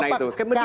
nah itu kemudian